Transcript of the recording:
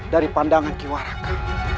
dari pandangan ki waraka